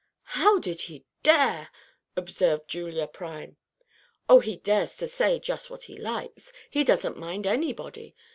"How did he dare?" observed Julia Prime. "Oh, he dares to say just what he likes. He doesn't mind anybody.